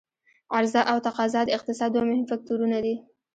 عرضا او تقاضا د اقتصاد دوه مهم فکتورونه دي.